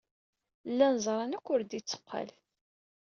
Llan ẓran akk ur d-itteqqal.